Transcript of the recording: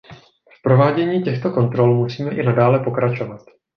V provádění těchto kontrol musíme i nadále pokračovat.